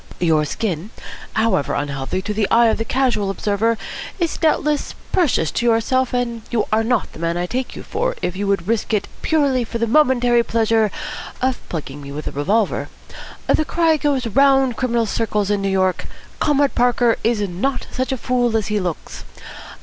Your skin, however unhealthy to the eye of the casual observer, is doubtless precious to yourself, and you are not the man I take you for if you would risk it purely for the momentary pleasure of plugging me with a revolver. The cry goes round criminal circles in New York, 'Comrade Parker is not such a fool as he looks.'